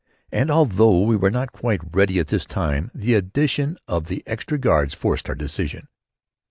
And although we were not quite ready at this time the addition to the guards forced our decision.